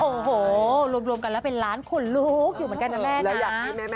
โอ้โหรวมกันแล้วเป็นล้านขนลุกอยู่เหมือนกันนะแม่นะ